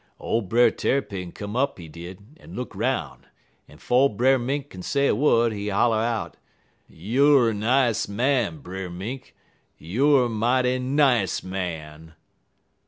"Ole Brer Tarrypin come up, he did, en look 'roun', en 'fo' Brer Mink kin say a wud, he holler out: "'Youer nice man, Brer Mink! Youer mighty nice man!'